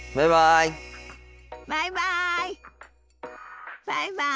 バイバイ。